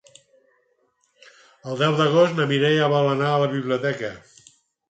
El deu d'agost na Mireia vol anar a la biblioteca.